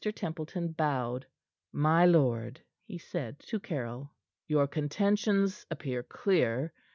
Templeton bowed. "My lord," he said to Caryll, "your contentions appear clear.